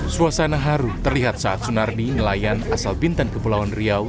suasana haru terlihat saat sunardi nelayan asal bintan kepulauan riau